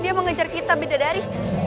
dia mengejar kita bidadari